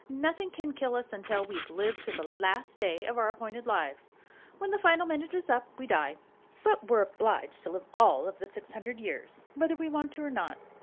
"Nothing can kill us until we've lived to the last day of our appointed lives. When the final minute is up, we die; but we're obliged to live all of the six hundred years, whether we want to or not.